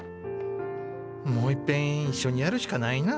もう一遍一緒にやるしかないな。